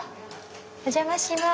お邪魔します。